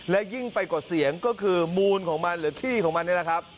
และยิ่งไปกว่าเสียงก็คือมูลของมันหรือขี้ของมันนี่แหละครับ